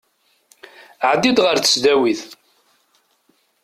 Ɛeddi-d ɣer tesdawit.